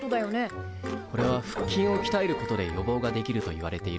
これは腹筋をきたえることで予防ができるといわれている。